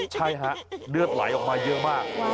ใช่ฮะเลือดไหลออกมาเยอะมาก